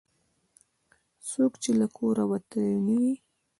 څوک چې له کوره وتلي نه وي.